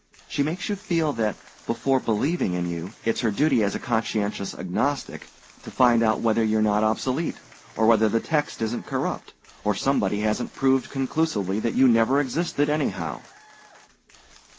She makes you feel that, before believing in you, it's her duty as a conscientious agnostic to find out whether you're not obsolete, or whether the text isn't corrupt, or somebody hasn't proved conclusively that you never existed, anyhow."